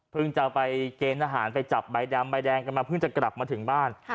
จะไปเกณฑ์ทหารไปจับใบดำใบแดงกันมาเพิ่งจะกลับมาถึงบ้าน